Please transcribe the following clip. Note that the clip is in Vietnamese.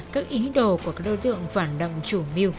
các ý đồ của các đối tượng phản động chủ mưu